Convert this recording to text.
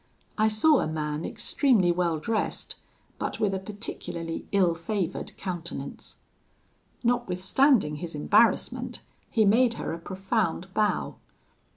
I saw a man extremely well dressed, but with a particularly ill favoured countenance. "Notwithstanding his embarrassment, he made her a profound bow.